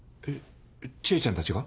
知恵ちゃんたちが？